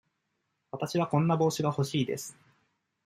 わたしはこんな帽子が欲しいです。